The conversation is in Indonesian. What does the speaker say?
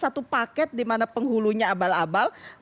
satu paket dimana penghulunya abal abal